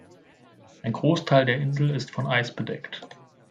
Ein Großteil der Insel ist von Eis bedeckt.